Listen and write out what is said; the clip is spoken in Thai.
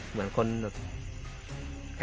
เหมือนคน